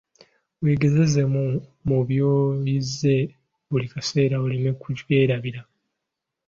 Weegezeemu mu by'oyize buli kaseera oleme kubyerabira.